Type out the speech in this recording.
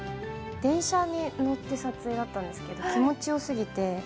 電車に乗って撮影だったんですけど、気持ちよすぎて。